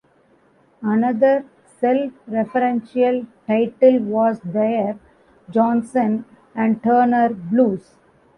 Another self-referential title was their Johnson and Turner Blues.